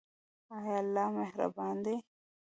آیا الله مهربان دی؟